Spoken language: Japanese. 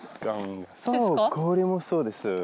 そうこれもそうです。